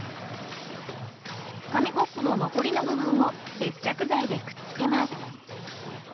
紙コップの残りの部分を接着剤でくっつけます。